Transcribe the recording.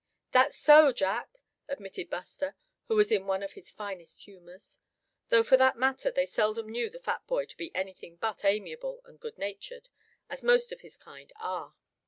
"That's so, Jack!" admitted Buster, who was in one of his finest humors; though for that matter they seldom knew the fat boy to be anything but amiable and good natured, as most of his kind are.